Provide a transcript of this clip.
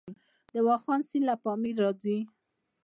د واخان سیند له پامیر راځي